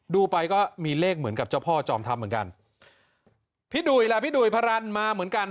ดูไปก็มีเลขเหมือนกับเจ้าพ่อจอมทัพเหมือนกันพี่ดุ่ยล่ะพี่ดุยพรรณมาเหมือนกัน